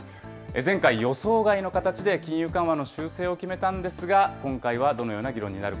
前回、予想外の形で金融緩和の修正を決めたんですが、今回はどのような議論になるか。